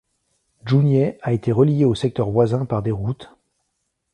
Jounieh a été relié aux secteurs voisins par des routes.